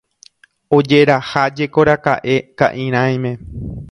Ojerahájekoraka'e ka'irãime